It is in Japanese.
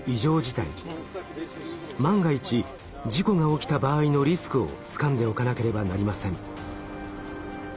万が一事故が起きた場合のリスクをつかんでおかなければなりません。